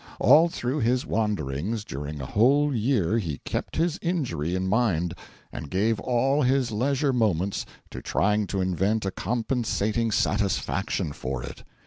All through his wanderings during a whole year he kept his injury in mind, and gave all his leisure moments to trying to invent a compensating satisfaction for it.